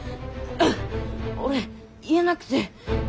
俺言えなくて。